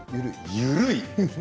緩い。